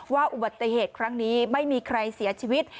อุบัติเหตุครั้งนี้ไม่มีใครเสียชีวิต